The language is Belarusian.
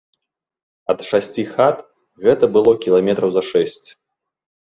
Ад шасці хат гэта было кіламетраў за шэсць.